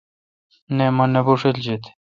نہ مہ نہ بوݭلجیت۔